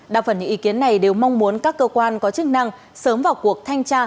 đa phần những ý kiến này đều mong muốn các cơ quan có chức năng sớm vào cuộc thanh tra